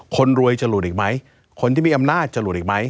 คนรวยจะหลุดอีกไหมคนที่มีอำนาจจะหลุดอีกไหม